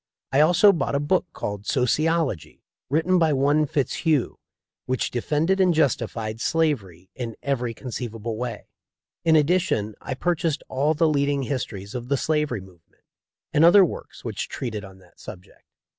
I also bought a book called "Sociology," written by one Fitzhugh, which defended and justified slavery in every conceivable way. In addition I pur chased all the leading histories of the slavery move ment, and other works which treated on that subject.